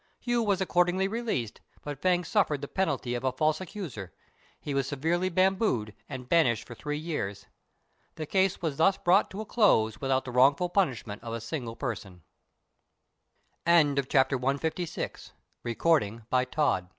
Hu was accordingly released, but Fêng suffered the penalty of a false accuser; he was severely bambooed, and banished for three years. The case was thus brought to a close without the wrongful punishment of a single person. FOOTNOTES: See No. LXXIII., not